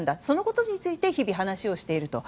そのことについて日々話をしている。